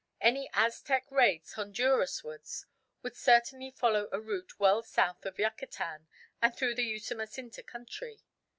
Any Aztec raids Honduras wards would certainly follow a route well south of Yucatan, and through the Usumacinta country.